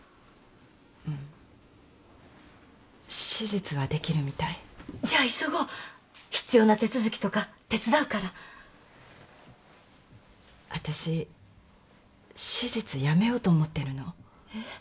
うん手術はできるみたいじゃあ急ごう必要な手続きとか手伝うから私手術やめようと思ってるのえっ？